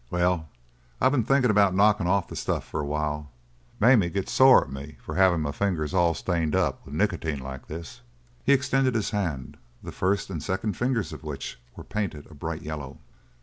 Well, I been thinking about knocking off the stuff for a while. Mame gets sore at me for having my fingers all stained up with nicotine like this." He extended his hand, the first and second fingers of which were painted a bright yellow.